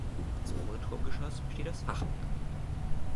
Das obere Turmgeschoss besteht aus Fachwerk.